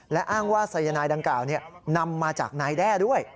และอ้างว่าสายนายดังกล่าวนำมาจากนายแด้ด้วย